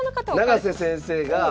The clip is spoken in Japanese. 永瀬先生が。